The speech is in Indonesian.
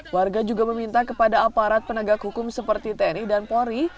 warga juga meminta kepada aparat penegak hukum seperti tni dan polri